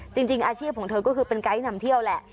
จริงอาชีพของเธอก็คือเป็นไกด์นำเที่ยวแหละ